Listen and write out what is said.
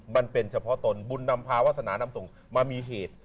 มันเป็นเฉพาะตนบุญนำพาวาสนานำส่งมามีเหตุ